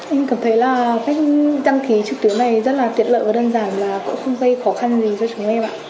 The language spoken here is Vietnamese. em cảm thấy là cách đăng ký trực tuyến này rất là tiện lợi và đơn giản là cũng không gây khó khăn gì cho chúng em ạ